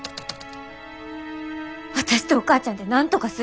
私とお母ちゃんでなんとかする。